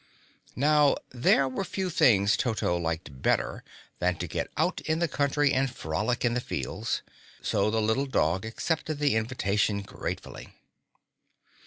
Now there were few things Toto liked better than to get out in the country and frolic in the fields, so the little dog accepted the invitation gratefully.